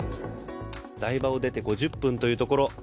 台場を出て５０分というところ。